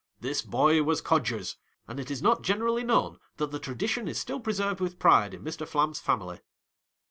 This boy was Codgers, and it is not generally known that the tradi tion is still preserved with pride in Mr. Flam's family.